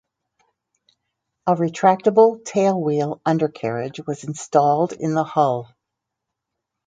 A retractable tailwheel undercarriage was installed in the hull.